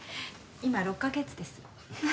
今６カ月です。